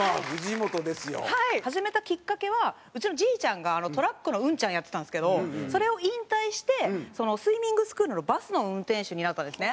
始めたきっかけはうちのじいちゃんがトラックの運ちゃんをやってたんですけどそれを引退してスイミングスクールのバスの運転手になったんですね。